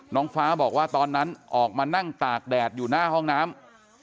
น้องฟ้าบอกว่าตอนนั้นออกมานั่งตากแดดอยู่หน้าห้องน้ำ